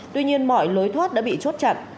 tuy nhiên mọi lối thoát đã bị chốt chặt